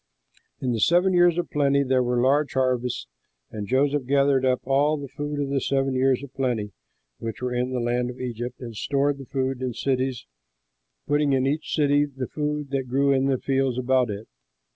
In the seven years of plenty there were large harvests, and Joseph gathered up all the food of the seven years of plenty, which were in the land of Egypt, and stored the food in the cities, putting in each city the food that grew in the fields about it.